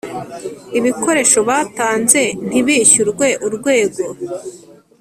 ibikoresho batanze ntibishyurwe urwego